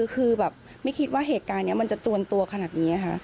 คือแบบไม่คิดว่าเหตุการณ์นี้มันจะจวนตัวขนาดนี้ค่ะ